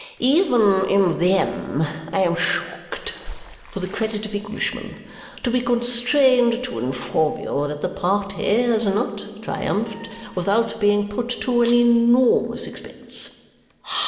" Even in them I am shocked, for the credit of Englishmen, to be constrained to inform you that the party has not triumphed without being put to an enormous expense.